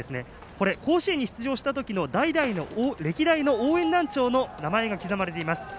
これは甲子園に出場した時の歴代の応援団長の名前が刻まれています。